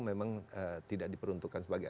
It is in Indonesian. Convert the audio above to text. memang tidak diperuntukkan sebagai